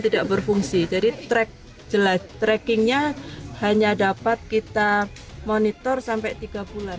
tidak berfungsi jadi track jelas trackingnya hanya dapat kita monitor sampai tiga bulan